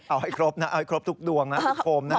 เอาให้ครบนะเอาให้ครบทุกดวงนะทุกโคมนะ